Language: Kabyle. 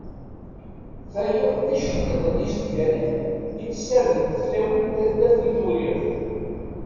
Tayeḍ d iceṭṭiḍen izeddganen i d-ssardent tlawin n taddart n Tewrirt.